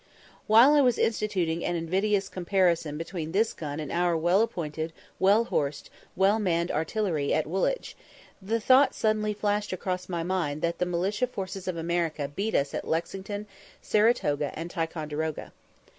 While I was instituting an invidious comparison between this gun and our well appointed, well horsed, well manned artillery at Woolwich, the thought suddenly flashed across my mind that the militia forces of America beat us at Lexington, Saratoga, and Ticonderoga.